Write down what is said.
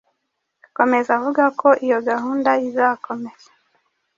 Akomeza avuga ko iyo gahunda izakomeza